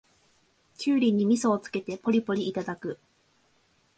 キュウリにみそをつけてポリポリいただく